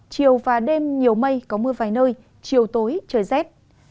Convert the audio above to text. chiều và đêm nhiều mây có mưa vài nơi chiều tối trời rét